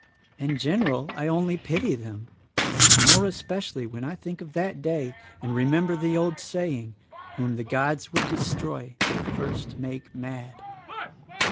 In general I only pity them, but more especially when I think of that day and remember the old saying, 'Whom the Gods would destroy they first make mad.'